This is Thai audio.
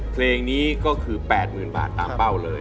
เพลงนี้ก็คือ๘๐๐๐บาทตามเป้าเลย